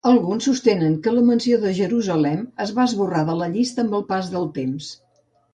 Alguns sostenen que la menció de Jerusalem es va esborrar de la llista amb el pas del temps.